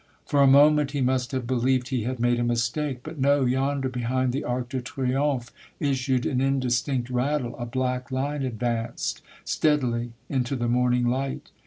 " For a moment he must have believed he had made a mistake, — but, no ! yonder, behind the Arc de Triomphe, issued an indistinct rattle, a black line advanced steadily into the morning light.